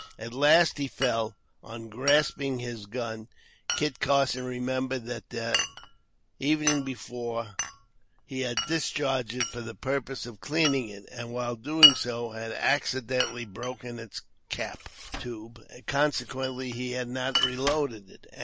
At last, he fell. On grasping his gun, Kit Carson remembered that the evening before, he had discharged it for the purpose of cleaning it, and while doing so had accidentally broken its cap tube, and consequently he had not reloaded it.